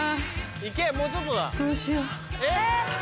いけもうちょっとだ。